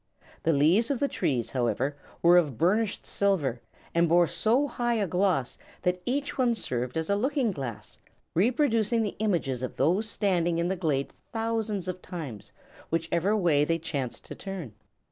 The leaves of the trees, however, were of burnished silver, and bore so high a gloss that each one served as a looking glass, reproducing the images of those standing in the glade thousands of times, whichever way they chanced to turn.